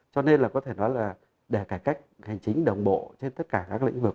cho nên là có thể nói là để cải cách hành chính đồng bộ trên tất cả các lĩnh vực